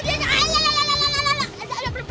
jangan nek tolong ibrah